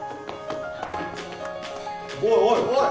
おいおいおい！